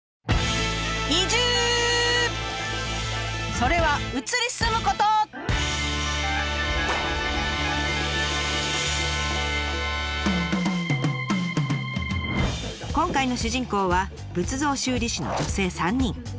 それは今回の主人公は仏像修理師の女性３人。